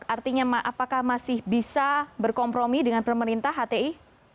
artinya apakah masih bisa berkompromi dengan pemerintah hti